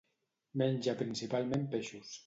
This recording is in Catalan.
Menja principalment peixos.